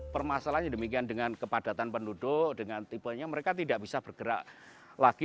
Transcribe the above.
permasalahannya demikian dengan kepadatan penduduk dengan tipenya mereka tidak bisa bergerak lagi